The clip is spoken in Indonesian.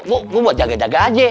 gue buat jaga jaga aja